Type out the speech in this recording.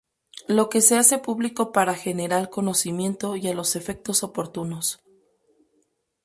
Lo que se hace público para general conocimiento y a los efectos oportunos.